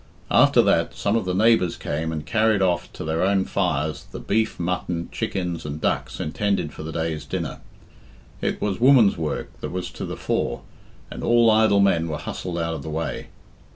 After that, some of the neighbours came and carried off to their own fires the beef, mutton, chickens, and ducks intended for the day's dinner. It was woman's work that was to the fore, and all idle men were hustled out of the way.